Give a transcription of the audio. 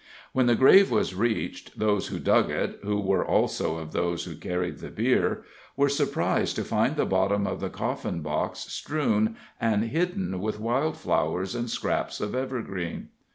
When the grave was reached, those who dug it who were also of those who carried the bier were surprised to find the bottom of the coffin box strewn and hidden with wild flowers and scraps of evergreen.